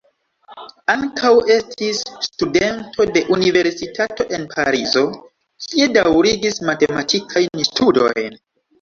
Ankaŭ estis studento de Universitato en Parizo, kie daŭrigis matematikajn studojn.